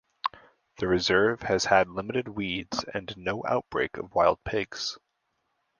The reserve has had limited weeds and no outbreak of wild pigs.